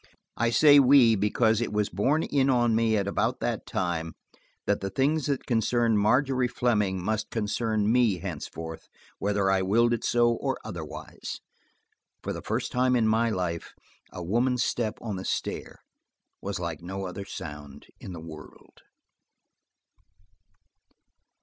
I say we, because it was borne in on me at about that time, that the things that concerned Margery Fleming must concern me henceforth, whether I willed it so or otherwise. For the first time in my life a woman's step on the stair was like no other sound in the world.